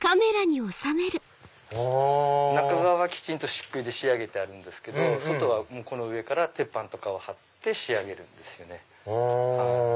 中側はきちんと漆喰で仕上げてあるんですけど外はこの上から鉄板とかを張って仕上げるんですよね。